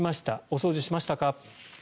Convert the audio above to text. お掃除しましたか？